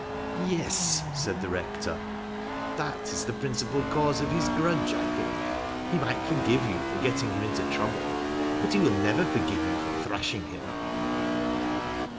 " Yes," said the rector, " that is the principal cause oi his grudge, I think. He might forgive you for getting him into trouble, but he will never forgive you for thrash in f him."